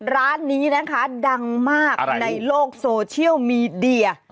ร้านนี้นะคะดังมากในโลกโซเชียลมีเดีย